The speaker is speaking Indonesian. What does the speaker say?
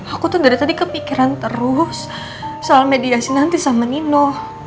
aku tuh dari tadi kepikiran terus soal mediasi nanti sama nino